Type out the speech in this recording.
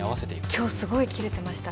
今日すごいキレてました。